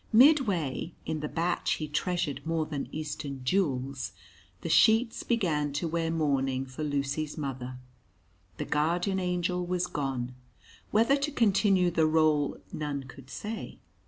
Midway, in the batch he treasured more than eastern jewels, the sheets began to wear mourning for Lucy's mother. The Guardian Angel was gone whether to continue the rôle none could say.